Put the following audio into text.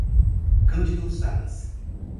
Cândido Sales